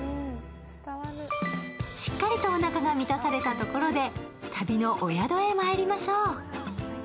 しっかりとおなかが満たされたところで、旅のお宿へまいりましょう。